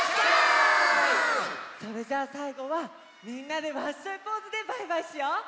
それじゃあさいごはみんなでワッショイポーズでバイバイしよう！